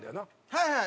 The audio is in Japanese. はいはい。